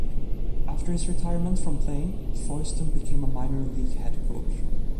After his retirement from playing, Foyston became a minor league head coach.